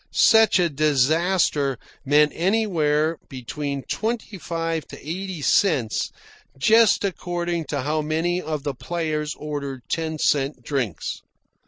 Such a disaster meant anywhere between twenty five to eighty cents, just according to how many of the players ordered ten cent drinks.